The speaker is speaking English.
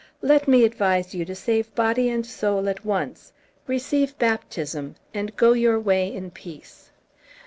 Let me advise you to save body and soul at once. Receive baptism, and go your way in peace."